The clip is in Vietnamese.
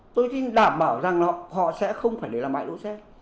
tôi xin đảm bảo rằng họ sẽ không phải để làm bãi lỗ xe